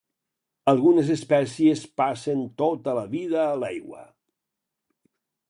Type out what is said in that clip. Algunes espècies passen tota la vida a l'aigua.